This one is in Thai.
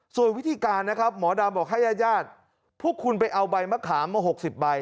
ส่วนวิธีการนะครับหมอดำบอกให้ญาติพวกคุณไปเอาใบมะขามมา๖๐ใบ